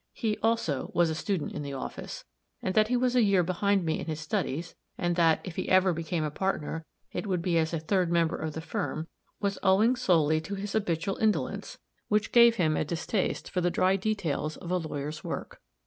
He, also, was a student in the office, and that he was a year behind me in his studies, and that, if he ever became a partner, it would be as a third member of the firm, was owing solely to his habitual indolence, which gave him a distaste for the dry details of a lawyer's work.